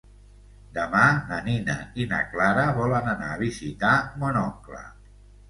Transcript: Demà na Nina i na Clara volen anar a visitar mon oncle.